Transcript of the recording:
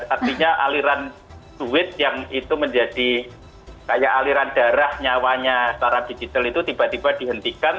artinya aliran duit yang itu menjadi kayak aliran darah nyawanya secara digital itu tiba tiba dihentikan